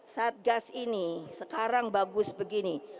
satgas ini sekarang bagus begini